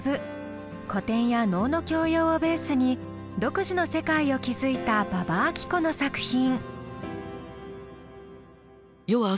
古典や能の教養をベースに独自の世界を築いた馬場あき子の作品。